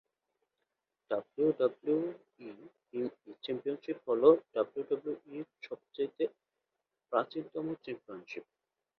WWE championship হলো ডাব্লিউডাব্লিউইর সবচেয়ে প্রাচীন একটি চ্যাম্পিয়নশিপ।